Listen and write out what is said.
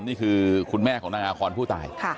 นี่คือคุณแม่ของนางอาคอนผู้ตาย